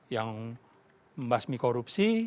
yang membasmi korupsi